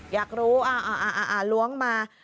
อยากรู้ล้วงมา